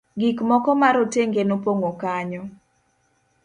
gik moko ma rotenge nopong'o kanyo